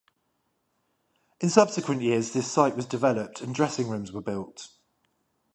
In subsequent years this site was developed and dressing rooms were built.